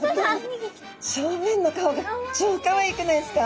正面の顔が超かわいくないですか？